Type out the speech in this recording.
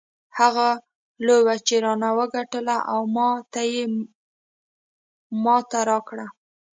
هغه لوبه یې رانه وګټله او ما ته یې ماتې راکړه.